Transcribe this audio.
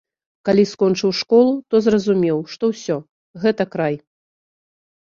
Калі скончыў школу, то зразумеў, што ўсё, гэта край.